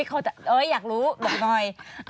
เฮ้ยอยากรู้บอกหน่อย